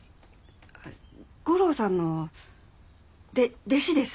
吾良さんので弟子です。